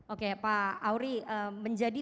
oke pak auri menjadi